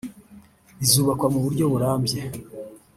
Bizubakwa mu buryo burambye